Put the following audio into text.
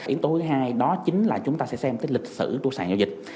yến tố thứ hai đó chính là chúng ta sẽ xem tới lịch sử của sàn giao dịch